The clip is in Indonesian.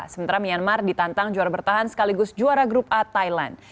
sementara myanmar ditantang juara bertahan sekaligus juara grup a thailand